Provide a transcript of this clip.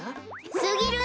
すぎる！